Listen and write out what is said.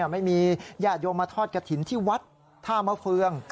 ไม่มีญาติโยมมาทอดกระถิ่นที่วัดท่ามะเฟือง